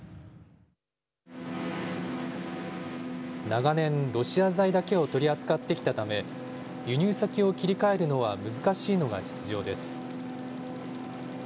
長年、ロシア材だけを取り扱ってきたため輸入先を切り替えるのは難しいのが実情です。